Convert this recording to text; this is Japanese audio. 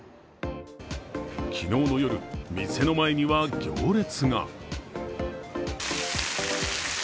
昨日の夜、店の前には行列が。